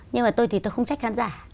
nhưng mà tôi thì tôi không trách khán giả